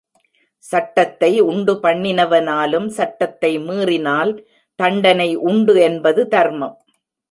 சட்டத்தை உண்டுபண்ணினவனாலும் சட்டத்தை மீறினால் தண்டனை உண்டு என்பது தர்மம்.